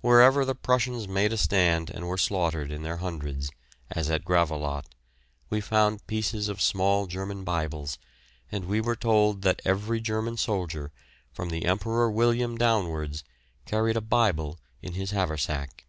Wherever the Prussians made a stand and were slaughtered in their hundreds, as at Gravelotte, we found pieces of small German Bibles, and we were told that every German soldier, from the Emperor William downwards, carried a Bible in his haversack.